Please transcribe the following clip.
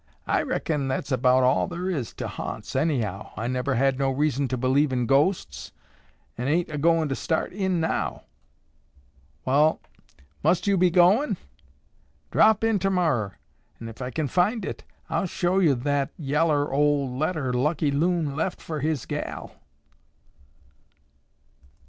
"I reckon that's about all thar is to hants anyhow. I never had no reason to believe in ghosts an' ain't a goin' to start in now. Wall, must yo' be goin'? Drop in tomorrer an' ef I kin find it, I'll show yo' that yellar ol' letter Lucky Loon left fer his gal."